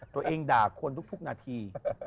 ทนิ่งด่าคนทุกนาที